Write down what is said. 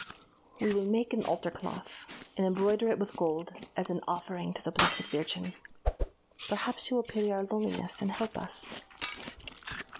We will make an altar cloth, and embroider it with gold, as an offering to the Blessed Virgin. Perhaps she will pity our loneliness, and help us."